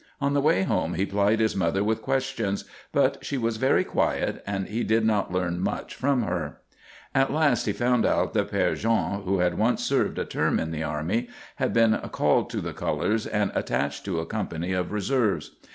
On the way home he plied his mother with questions, but she was very quiet and he did not learn much from her. At last he found out that Père Jean, who had once served a term in the army, had been called to the colours and attached to a company of reserves.